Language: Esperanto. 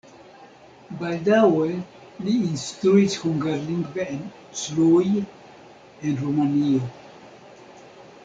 Baldaŭe li instruis hungarlingve en Cluj, en Rumanio.